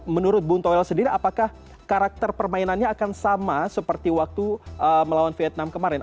menurut bung towel sendiri apakah karakter permainannya akan sama seperti waktu melawan vietnam kemarin